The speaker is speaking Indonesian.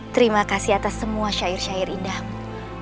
terima kasih atas semua syair syair indahmu